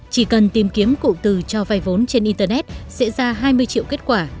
chỉ cần tìm kiếm cụ từ cho vay vốn trên internet sẽ ra hai mươi triệu kết quả